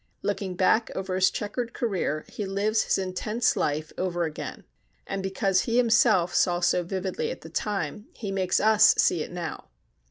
Looking back over his checkered career, he lives his intense life over again, and because he himself saw so vividly at the time, he makes us see now.